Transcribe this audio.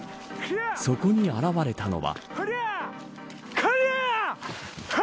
そこに現れたのは。